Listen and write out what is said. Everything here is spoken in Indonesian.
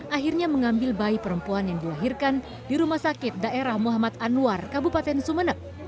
akhirnya mengambil bayi perempuan yang dilahirkan di rumah sakit daerah muhammad anwar kabupaten sumeneb